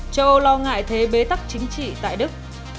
châu âu lo ngại thế bế tắc chính trị tại đức